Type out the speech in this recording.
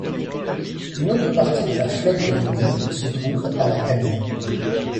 Une autre partie de la flotte de Venise se trouve à La Canée.